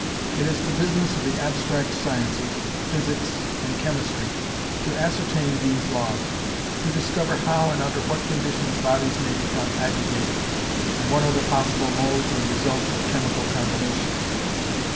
It is the business of the abstract sciences, Physics and Chemistry, to ascertain these laws: to discover how and under what conditions bodies may become aggregated, and what are the possible modes and results of chemical combination.